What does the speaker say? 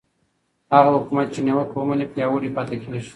هغه حکومت چې نیوکه ومني پیاوړی پاتې کېږي